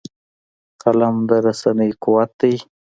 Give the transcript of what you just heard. قلم د رسنۍ قوت دی